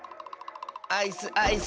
アイスアイス！